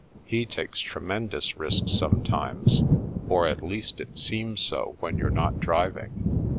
He takes tremendous risks sometimes, or at least it seems so when you're not driving.